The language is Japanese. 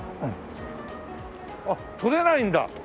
あっ取れないんだ。